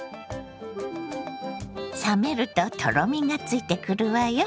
冷めるととろみがついてくるわよ。